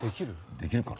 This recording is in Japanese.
できるかな？